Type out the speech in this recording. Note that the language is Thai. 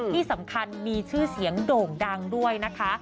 ที่สำคัญมีชื่อเสียงโด่งดังด้วยนะคะ